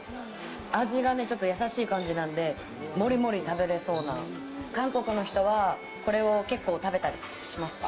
味がちょっと優しい感じなんでモリモリ食べれそうな韓国の人はこれを結構食べたりしますか？